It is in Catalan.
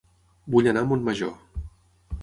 Vull anar a Montmajor